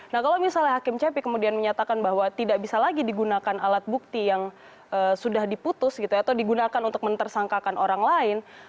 nah kalau misalnya hakim cepi kemudian menyatakan bahwa tidak bisa lagi digunakan alat bukti yang sudah diputus atau digunakan untuk mentersangkakan orang lain